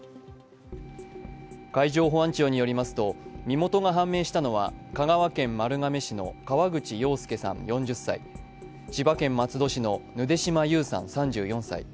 海上保安庁によりますと、身元が判明したのは香川県丸亀市の河口洋介さん４０歳、千葉県松戸市のぬで島優さん３４歳。